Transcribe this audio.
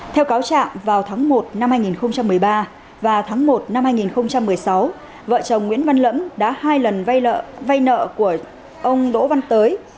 theo cáo trạng vào tháng một năm hai nghìn một mươi ba và tháng một năm hai nghìn một mươi sáu vợ chồng nguyễn văn lẫm đã hai lần vay nợ vay nợ của ông đỗ văn tới